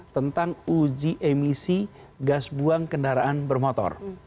tentang uji emisi gas buang kendaraan bermotor